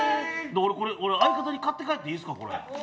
俺これ相方に買って帰っていいですか？